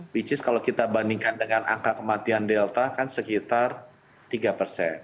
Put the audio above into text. which is kalau kita bandingkan dengan angka kematian delta kan sekitar tiga persen